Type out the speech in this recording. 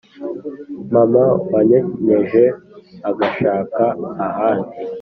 mama wanyonkeje agashaka ahandi